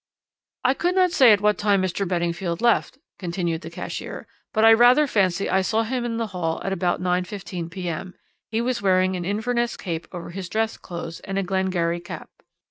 "'I could not say at what time Mr. Beddingfield left,' continued the cashier, 'but I rather fancy I saw him in the hall at about 9.15 p.m. He was wearing an Inverness cape over his dress clothes and a Glengarry cap.